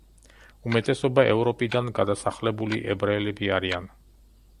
უმეტესობა ევროპიდან გადასახლებული ებრაელები არიან.